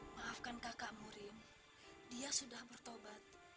maafkan kakakmu rini dia sudah bertobat